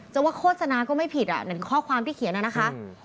จากว่าโฆษณาก็ไม่ผิดเหมือนข้อความเขียน